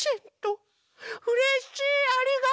うれしいありがとう！